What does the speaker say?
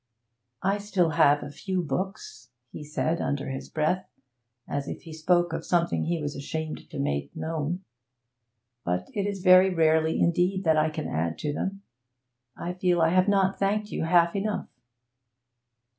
'I still have a few books,' he said, under his breath, as if he spoke of something he was ashamed to make known. 'But it is very rarely indeed that I can add to them. I feel I have not thanked you half enough.'